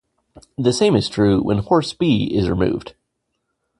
The same is true when horse B is removed.